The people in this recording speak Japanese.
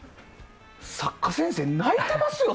作家先生、泣いてますよ